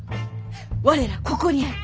我らここにあり。